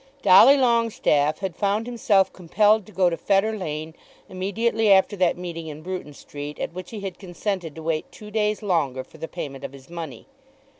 Dolly Longestaffe had found himself compelled to go to Fetter Lane immediately after that meeting in Bruton Street at which he had consented to wait two days longer for the payment of his money.